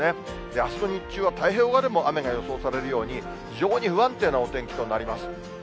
あすの日中は太平洋側でも雨が予想されるように、非常に不安定なお天気となります。